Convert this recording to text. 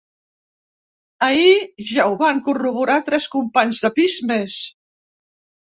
Ahir ja ho van corroborar tres companys de pis més.